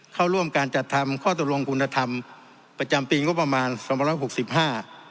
เข้าร่วมการจัดทำข้อตกลงคุณธรรมประจำปีงบประมาณสองพันร้อยหกสิบห้า